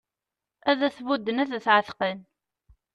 Ad t-budden ad t-εetqen